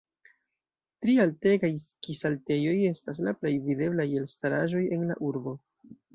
Tri altegaj ski-saltejoj estas la plej videblaj elstaraĵoj en la urbo.